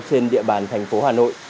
trên địa bàn thành phố hà nội